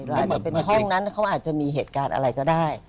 อาจจะเป็นห้องนั้นเขาอาจจะมีเหตุการณ์อะไรก็ได้